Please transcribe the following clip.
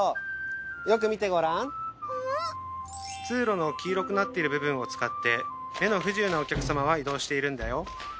通路の黄色くなってる部分を使って目の不自由なお客様は移動しているんだよ。